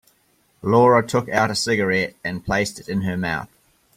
Laura took out a cigarette and placed it in her mouth.